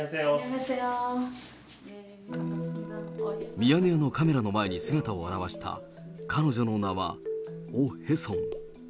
ミヤネ屋のカメラの前に姿を現した彼女の名は、オ・ヘソン。